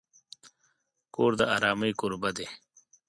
کور د آرامۍ کوربه دی.